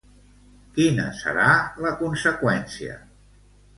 Quina serà la conseqüència?